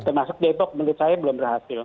termasuk depok menurut saya belum berhasil